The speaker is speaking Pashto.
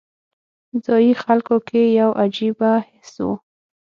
ځایي خلکو کې یو عجیبه حس و.